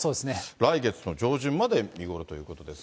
来月の上旬まで見頃ということですが。